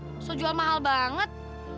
bisa jual mahal banget